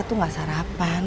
tuh gak sarapan